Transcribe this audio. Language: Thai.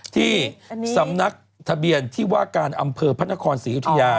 ที่สำนักทะเบียนที่ว่าการอำเภอพระนครศรีอยุธยา